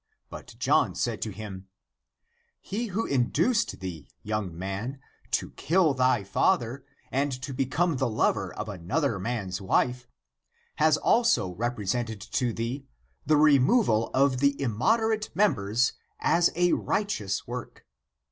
But John said to him, " He who induced thee, young man, to kill thy father and to become the lover of an ACTS OF JOHN 157 other man's wife, has also represented to thee the removal of the immoderate members as a right eous work.